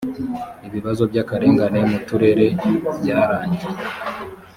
ibibazo byakarengane mu turere byarangiye.